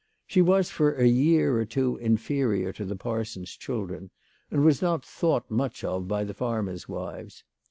She was for a year or two inferior to the parson's children, and was not thought much of by the farmers' wives.